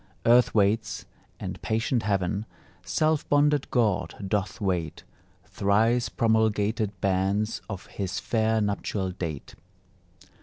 Earth waits, and patient heaven, Self bonded God doth wait Thrice promulgated bans Of his fair nuptial date.